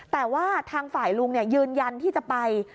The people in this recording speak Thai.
แต่ว่าทางฝ่ายลุงยืนยันที่จะไป